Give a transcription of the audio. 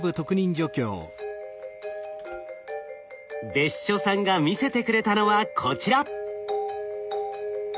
別所さんが見せてくれたのはこちら。